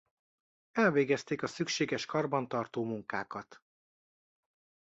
Elvégezték a szükséges karbantartó munkákat.